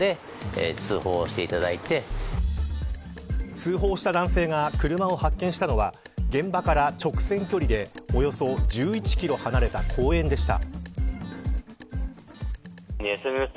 通報した男性が車を発見したのは現場から直線距離でおよそ１１キロ離れた公園でした。